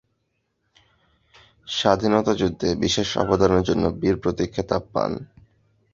স্বাধীনতা যুদ্ধে বিশেষ অবদানের জন্য বীর প্রতীক খেতাব পান।